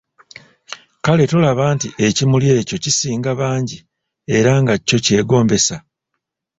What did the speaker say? Kale tolaba nti ekimuli ekyo kisinga bangi era nga kyo kyegombesa ?